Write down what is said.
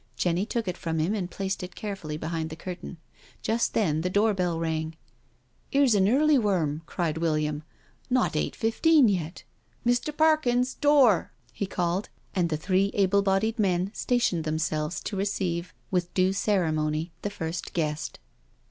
Jenny took it from him and placed it carefully behind the curtain. Just then the door bell rang. "•Ere's an early wonnr* cried William. "Not eight fifteen yet I Mr. Parkins, door I" he called, and the three able bodied men stationed themselves to re ceive with due ceremony the first guest.